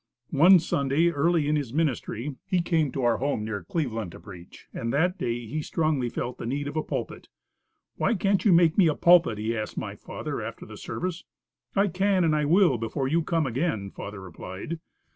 One Sunday early in his ministry, he came to our home near Cleveland, to preach, and that day he strongly felt the need of a pulpit. "Why can't you make me a pulpit?" he asked my father after the service. "I can and I will before you come again," father replied.